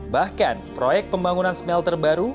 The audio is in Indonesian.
bahkan proyek pembangunan smelter baru